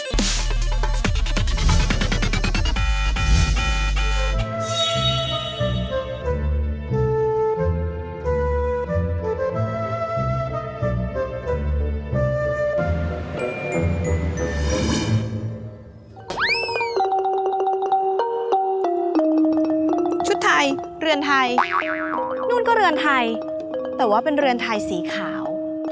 ชุดไทยเรือนไทยนู่นก็เรือนไทยแต่ว่าเป็นเรือนไทยสีขาว